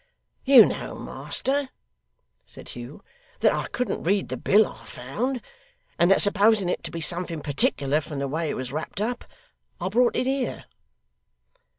'You know, master,' said Hugh, 'that I couldn't read the bill I found, and that supposing it to be something particular from the way it was wrapped up, I brought it here.